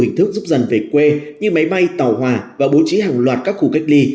hình thức giúp dân về quê như máy bay tàu hòa và bố trí hàng loạt các khu cách ly